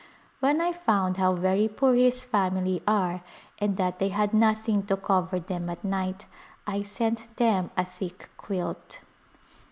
When I found how very poor his family are and that they had nothing to cover them at night I sent them a thick quilt.